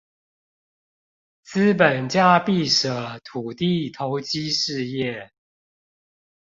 資本家必捨土地投機事業